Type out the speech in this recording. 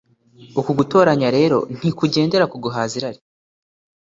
Uku gutoranya rero ntikugendera ku guhaza irari